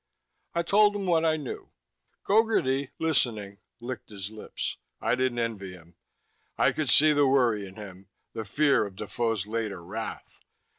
I told him what I knew. Gogarty, listening, licked his lips. I didn't envy him. I could see the worry in him, the fear of Defoe's later wrath.